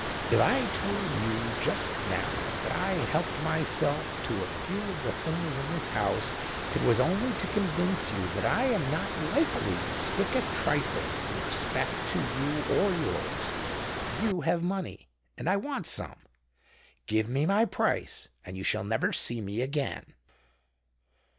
"If I told you just now that I had helped myself to a few of the things in this house, it was only to convince you that I am not likely to stick at trifles in respect to you or yours. You have money—and I want some. Give me my price—and you shall never see me again."